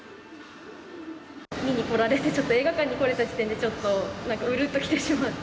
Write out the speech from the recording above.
見に来られて、ちょっと映画館に来れた時点でちょっとうるっときてしまって。